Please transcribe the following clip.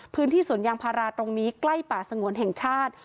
พื้นที่สวนยางพาราตรงนี้ใกล้ป่าสงวนแห่งชาติ